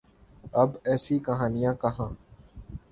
اب ایسی کہانیاں کہاں۔